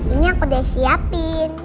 ini aku udah siapin